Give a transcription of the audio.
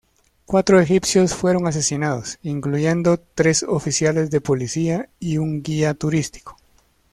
Cuatro egipcios fueron asesinados, incluyendo tres oficiales de policía y un guía turístico.